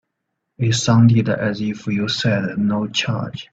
It sounded as if you said no charge.